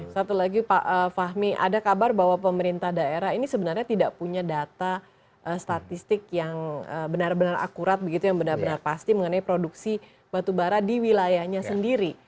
satu lagi pak fahmi ada kabar bahwa pemerintah daerah ini sebenarnya tidak punya data statistik yang benar benar akurat begitu yang benar benar pasti mengenai produksi batubara di wilayahnya sendiri